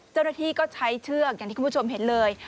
เจ้าหน้าที่ก็ใช้เชือกอย่างที่คุณผู้ชมเห็นเลย